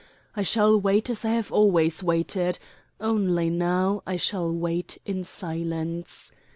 I shall wait as I have always waited only now I shall wait in silence.